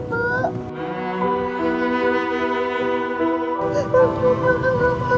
kamu bapak nunggu ibu